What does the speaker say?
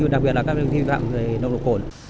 đặc biệt là các hành vi vi phạm về nồng độ cồn